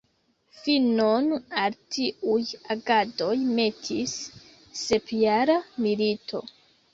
Finon al tiuj agadoj metis Sepjara milito.